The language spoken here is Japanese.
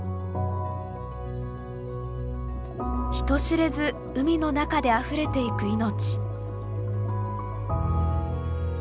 人知れず海の中であふれていく命。